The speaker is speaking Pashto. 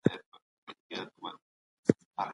د پوهنې د وضعیت په اړه ملي سروي نه وه ترسره سوي.